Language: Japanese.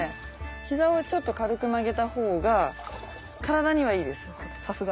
膝をちょっと軽く曲げた方が体にはいいです。